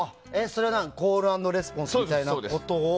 コール＆レスポンスみたいなことを。